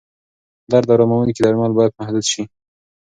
درد اراموونکي درمل باید محدود شي.